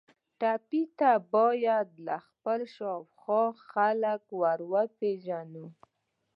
ټپي ته باید خپل شاوخوا خلک وروپیژنو.